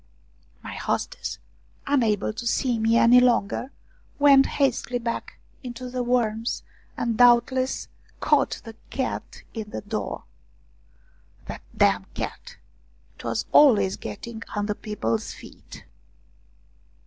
My hostess, unable to see me any longer, went hastily back into the warmth and doubtless caught the cat AT MANJOALA'S INN 43 in the door. That damned cat ! It was always getting under people's feet.